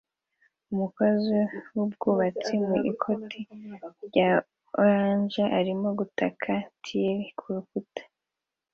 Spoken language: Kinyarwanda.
Umukozi wubwubatsi mu ikoti rya orange arimo gutaka tile kurukuta